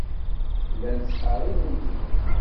Llant ttqerribent-d.